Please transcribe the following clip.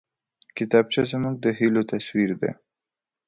کتابچه زموږ د هيلو تصویر دی